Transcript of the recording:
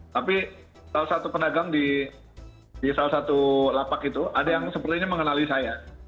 tapi salah satu pedagang di salah satu lapak itu ada yang sepertinya mengenali saya